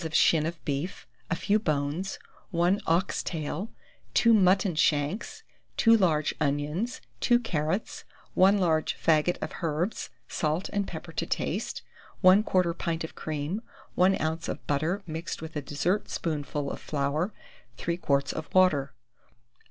of shin of beef, a few bones, 1 ox tail, 2 mutton shanks, 2 large onions, 2 carrots, 1 large faggot of herbs, salt and pepper to taste, 1/4 pint of cream, 1 oz. of butter mixed with a dessert spoonful of flour, 3 quarts of water.